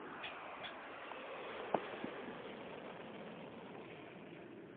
Él es realmente bueno.